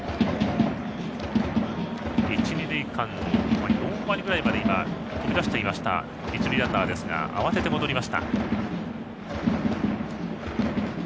一、二塁間の４割くらいにまで飛び出していました一塁ランナーですが慌てて戻りました。